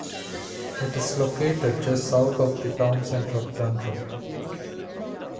It is located just south of the town centre of Dundrum.